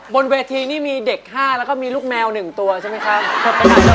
บนเวทีนี่มีเด็ก๕แล้วก็มีลูกแมว๑ตัวใช่ไหมครับ